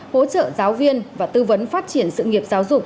hỗ trợ giáo viên và tư vấn phát triển sự nghiệp giáo dục